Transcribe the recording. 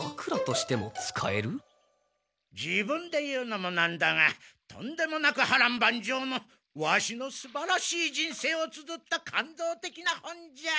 自分で言うのもなんだがとんでもなくはらんばんじょうのワシのすばらしい人生をつづった感動てきな本じゃ！